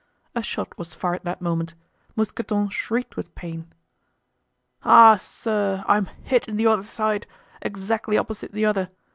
A shot was fired that moment; Mousqueton shrieked with pain. "Ah, sir! I'm hit in the other side! exactly opposite the other!